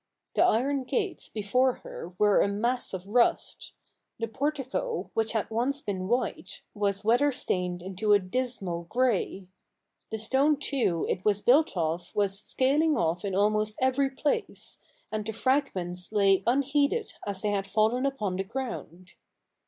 The iron gates before her were a mass of rust ; the portico, which had once been white, was weather stained into a dismal grey : the stone, too, it WIS built of was scaling off in almost every place, and the fragments lay unheeded as they had fallen upon the ground.